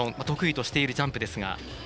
得意としているジャンプですが。